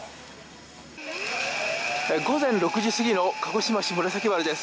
午前６時過ぎの鹿児島市紫原です。